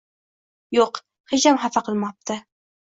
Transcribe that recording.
Yo‘q, hecham xafa qilmabdi.